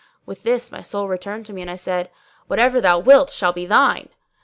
With this my soul returned to me and I said, "Whatever thou wilt shall be thine."